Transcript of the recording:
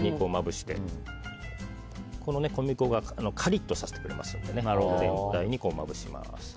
そして小麦粉がカリッとさせてくれるので全体にまぶします。